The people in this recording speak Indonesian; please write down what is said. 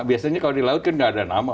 biasanya kalau di laut kan gak ada nama